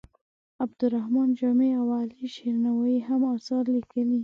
عبدالرحمان جامي او علي شیر نوایې هم اثار لیکلي.